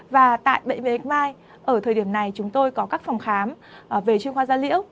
và tại bệnh viện x mind ở thời điểm này chúng tôi có các phòng khám về chuyên khoa da lĩa